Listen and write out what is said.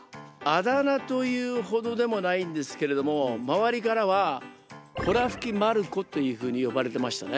あだ名というほどでもないんですけれども周りからはほらふきマルコというふうに呼ばれてましたね。